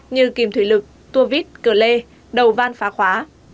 như kìm thủy lực tua vít cửa lê đầu van phá khóa